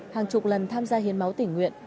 hàng chục lần tham gia hiến máu tình nguyện